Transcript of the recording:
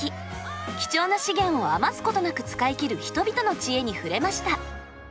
貴重な資源を余すことなく使い切る人々の知恵に触れました。